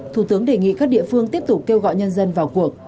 thủ tướng đề nghị các địa phương tiếp tục kêu gọi nhân dân vào cuộc